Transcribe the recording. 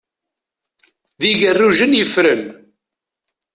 D igerrujen yeffren.